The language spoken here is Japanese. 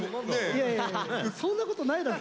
いやいやそんなことないだろ。